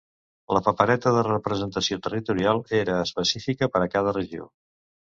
La papereta de representació territorial era específica per a cada regió.